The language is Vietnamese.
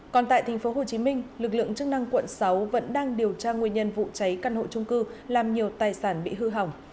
còn tại tp hcm lực lượng chức năng quận sáu vẫn đang điều tra nguyên nhân vụ cháy căn hộ trung cư làm nhiều tài sản bị hư hỏng